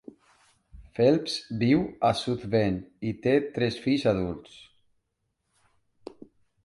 Phelps viu a South Bend i té tres fills adults.